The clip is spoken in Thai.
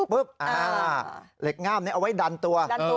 เหล็กง่ามนี้เอาไว้ดันตัว